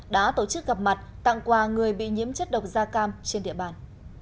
đã tổ chức gặp mặt tặng quà người bị nhiễm chất độc da cam trên địa bàn